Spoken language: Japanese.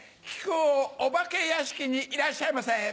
木久扇お化け屋敷にいらっしゃいませ。